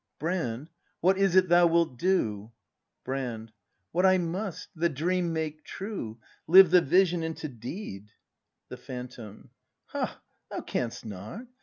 Brand, what is it thou wilt do ? Brand. What I must: the dream make t r u e ,— Live the vision into deed. The Phantom. Ha, thou canst not!